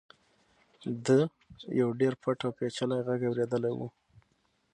ده یو ډېر پټ او پېچلی غږ اورېدلی و.